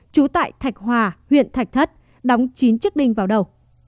trú tại thạch hòa huyện thạch thất đóng chín chiếc đinh vào đầu